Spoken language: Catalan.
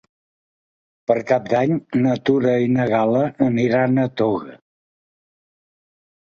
Per Cap d'Any na Tura i na Gal·la iran a Toga.